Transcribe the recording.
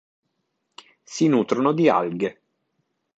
Si nutrono di alghe.